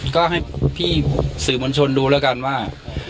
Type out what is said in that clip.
ก็ให้พี่สื่อมวลชนดูแล้วกันว่า